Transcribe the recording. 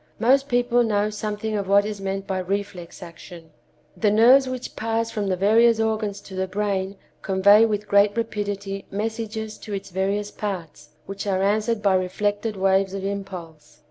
Most people know something of what is meant by reflex action. The nerves which pass from the various organs to the brain convey with, great rapidity messages to its various parts, which are answered by reflected waves of impulse.